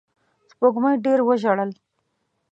سپوږمۍ ډېر وژړل